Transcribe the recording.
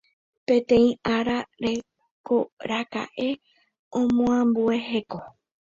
Péteĩ ára jekoraka'e omoambue heko